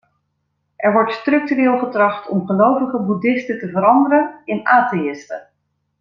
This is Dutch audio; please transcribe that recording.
Er wordt structureel getracht om gelovige boeddhisten te veranderen in atheïsten.